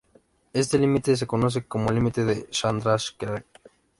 Este límite se conoce como límite de Chandrasekhar.